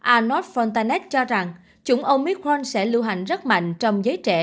arnaud fontanet cho rằng chủng omicron sẽ lưu hành rất mạnh trong giới trẻ